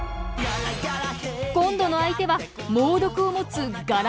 今度の相手は猛毒を持つガラガラヘビ。